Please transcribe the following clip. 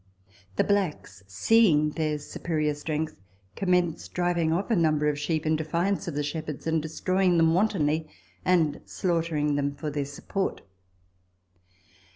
The blacks, seeing their superior strength, commenced driving off a number of sheep in defiance of the shepherds and destroying them wantonly, and slaughtering them for their support.